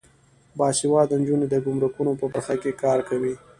باسواده نجونې د ګمرکونو په برخه کې کار کوي.